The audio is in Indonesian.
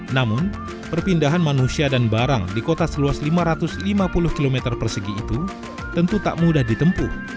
namun perpindahan manusia dan barang di kota seluas lima ratus lima puluh km persegi itu tentu tak mudah ditempuh